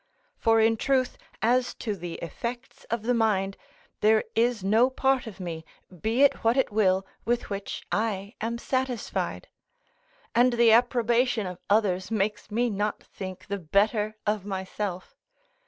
For in truth, as to the effects of the mind, there is no part of me, be it what it will, with which I am satisfied; and the approbation of others makes me not think the better of myself.